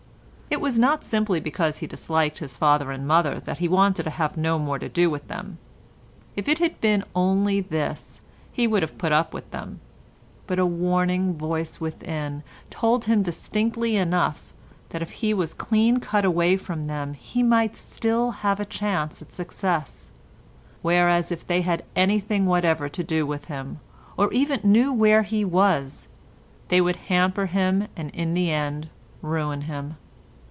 It was not simply because he disliked his father and mother that he wanted to have no more to do with them; if it had been only this he would have put up with them; but a warning voice within told him distinctly enough that if he was clean cut away from them he might still have a chance of success, whereas if they had anything whatever to do with him, or even knew where he was, they would hamper him and in the end ruin him.